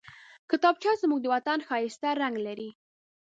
کتابچه زموږ د وطن ښايسته رنګ لري